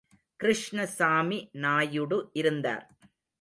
கிருஷ்ணசாமி நாயுடு இருந்தார்.